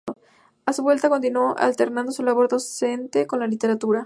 A su vuelta, continuó alternando su labor docente con la literatura.